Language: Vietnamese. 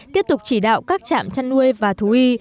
tiếp tục chỉ đạo các trạm chăn nuôi và thú y